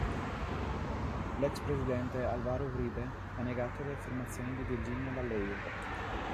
L'ex presidente Álvaro Uribe ha negato le affermazioni di Virginia Vallejo.